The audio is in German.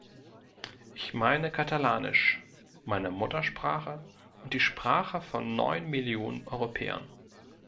Ich meine Katalanisch, meine Muttersprache und die Sprache von neun Millionen Europäern.